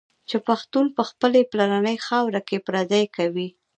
چي پښتون په خپلي پلرنۍ خاوره کي پردی کوي